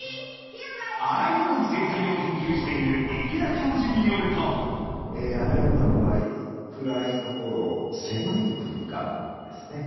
アライグマの生態を研究している池田教授によるとアライグマの場合暗いところ狭い空間ですね